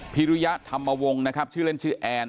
ริยธรรมวงศ์นะครับชื่อเล่นชื่อแอน